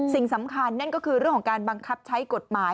สิ่งสำคัญนั่นก็คือเรื่องของการบังคับใช้กฎหมาย